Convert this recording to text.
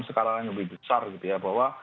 skala yang lebih besar gitu ya bahwa